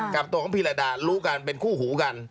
กับตัวของพีรดารู้กันเป็นคู่หูกัน